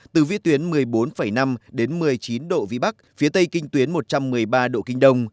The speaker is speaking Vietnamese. từ vĩ tuyến một mươi bốn năm đến một mươi chín độ vĩ bắc phía tây kinh tuyến một trăm một mươi ba độ kinh đông